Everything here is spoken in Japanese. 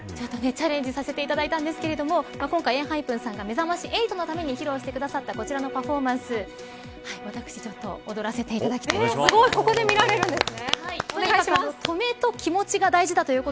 チャレンジさせていただいたんですが今回、ＥＮＨＹＰＥＮさんがめざまし８のために披露してくださったこちらのパフォーマンス私、ちょっと踊らせていただきたいと思います。